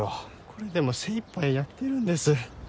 これでも精いっぱいやってるんです。